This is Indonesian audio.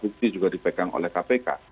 dua alat bukti juga dipegang oleh kpk